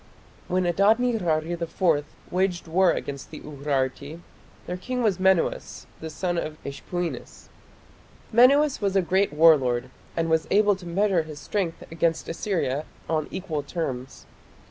When Adad nirari IV waged war against the Urarti, their king was Menuas, the son of Ishpuinis. Menuas was a great war lord, and was able to measure his strength against Assyria on equal terms.